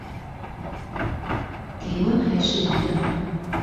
體溫還是一樣